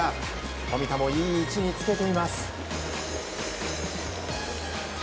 富田もいい位置につけています。